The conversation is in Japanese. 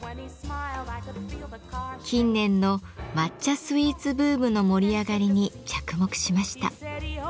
近年の抹茶スイーツブームの盛り上がりに着目しました。